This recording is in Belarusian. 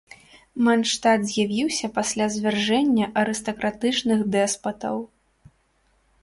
Мандштат з'явіўся пасля звяржэння арыстакратычных дэспатаў.